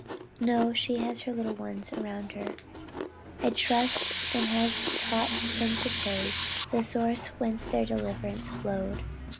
No, she has her little ones around her, I trust, and has taught them to praise the source whence their deliverance flowed.